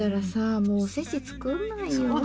もうおせち作んないよウフフ。